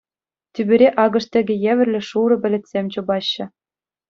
Тӳпере акӑш тӗкӗ евӗрлӗ шурӑ пӗлӗтсем чупаҫҫӗ.